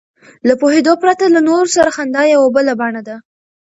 له پوهېدو پرته له نورو سره خندا یوه بله بڼه ده.